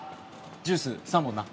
ジュース３本な